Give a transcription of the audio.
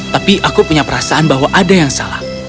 tapi aku punya perasaan bahwa ada yang salah